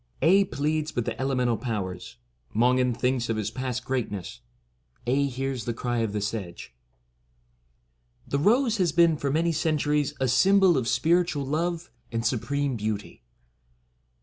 Aedh pleads with the Elemental Powers. MONGAN thinks OF HIS PAST GREATNESS. Aedh hears the Cry of the Sedge. The Rose has been for many centuries a sym bol of spiritual love and supreme beauty.